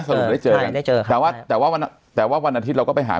สรุปได้เจอกันได้เจอครับแต่ว่าแต่ว่าวันแต่ว่าวันอาทิตย์เราก็ไปหา